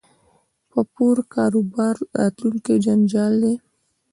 په پور کاروبار راتلونکی جنجال دی